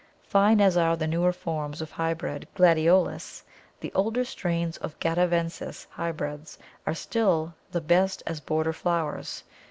Fine as are the newer forms of hybrid Gladiolus, the older strain of gandavensis hybrids are still the best as border flowers.